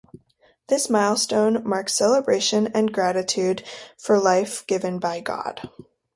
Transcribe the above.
This milestone marks celebration and gratitude for life given by God.